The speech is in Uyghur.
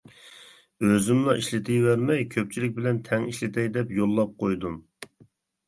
ئۆزۈملا ئىشلىتىۋەرمەي كۆپچىلىك بىلەن تەڭ ئىشلىتەي دەپ يوللاپ قويدۇم.